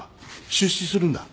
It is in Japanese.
出資するんだ。